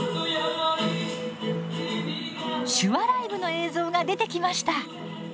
手話ライブの映像が出てきました！